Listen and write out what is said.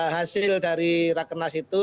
hasil dari rakernas itu